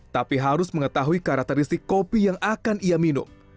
tapi harus mengetahui karakteristik kopi yang akan ia minum